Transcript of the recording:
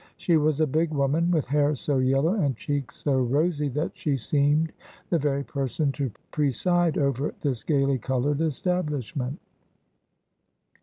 She was a big woman, with hair so yellow and cheeks so rosy, that she seemed the very person to preside over this gaily coloured establishment.